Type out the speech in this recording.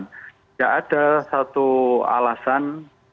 tidak ada satu alasan